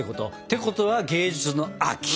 てことは芸術の秋！